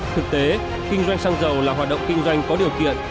thực tế kinh doanh xăng dầu là hoạt động kinh doanh có điều kiện